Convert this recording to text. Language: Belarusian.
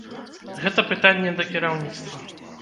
Гэта пытанне да кіраўніцтва.